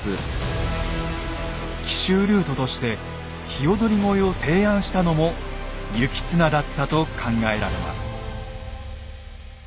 奇襲ルートとして鵯越を提案したのも行綱だったと考えられます。